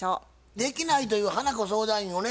できないという花子相談員をね